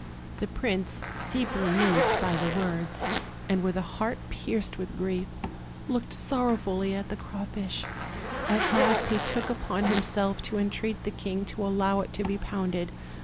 The prince, deeply moved by the words, and with a heart pierced with grief, looked sorrowfully at the crawfish; at last he took upon himself to entreat the king to allow it to be pounded.